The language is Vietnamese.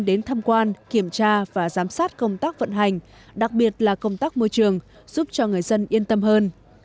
đến thăm quan kiểm tra và giám sát công tác vận hành đặc biệt là công tác môi trường giúp cho người dân yên tâm hơn